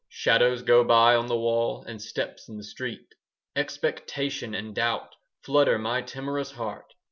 Shadows go by on the wall, And steps in the street. Expectation and doubt 5 Flutter my timorous heart.